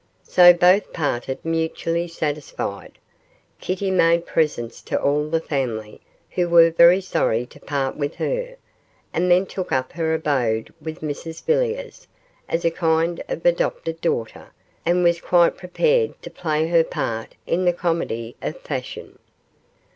So both parted mutually satisfied. Kitty made presents to all the family, who were very sorry to part with her, and then took up her abode with Mrs Villiers, as a kind of adopted daughter, and was quite prepared to play her part in the comedy of fashion.